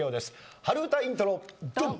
春うたイントロドン！